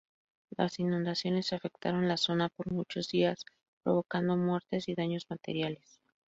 Las inundaciones afectaron la zona por muchos días, provocando muertes y daños materiales.